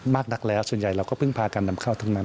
มากนักแล้วส่วนใหญ่เราก็เพิ่งพาการนำเข้าทั้งนั้น